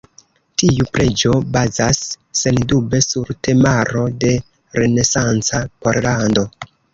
Tiu preĝo bazas sendube sur temaro de renesanca Pollando.